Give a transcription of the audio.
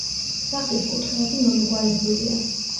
სახლის კუთხეები მომრგვალებულია.